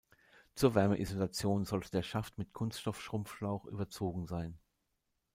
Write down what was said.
Zur Wärmeisolation sollte der Schaft mit Kunststoff-Schrumpfschlauch überzogen sein.